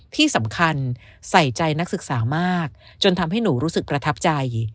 ที่สำคัญใส่ใจนักศึกษามากจนทำให้หนูรู้สึกประทับใจ